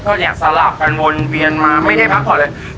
ก็เนี่ยสลับกันวนเวียนมาไม่ได้พักผ่อนเลย